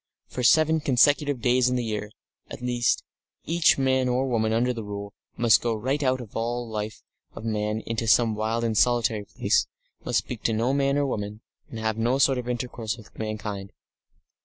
For seven consecutive days in the year, at least, each man or woman under the Rule must go right out of all the life of man into some wild and solitary place, must speak to no man or woman, and have no sort of intercourse with mankind.